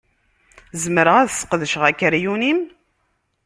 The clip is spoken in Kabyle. Zemreɣ ad ssqedceɣ akeryun-im?